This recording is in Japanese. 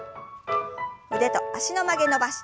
腕と脚の曲げ伸ばし。